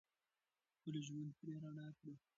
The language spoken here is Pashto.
خپل ژوند پرې رڼا کړو.